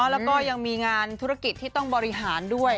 แล้วก็ยังมีงานธุรกิจที่ต้องบริหารด้วย